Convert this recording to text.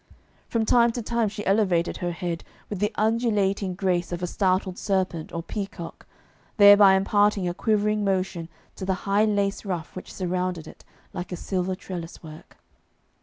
From time to time she elevated her head with the undulating grace of a startled serpent or peacock, thereby imparting a quivering motion to the high lace ruff which surrounded it like a silver trellis work.